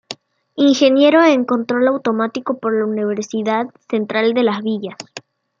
Ingeniero en control automático por la Universidad Central de Las Villas.